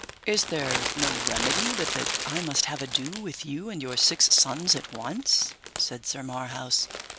Is there no remedy but that I must have ado with you and your six sons at once? said Sir Marhaus.